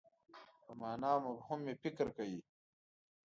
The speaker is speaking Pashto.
په مانا او مفهوم یې فکر کوي.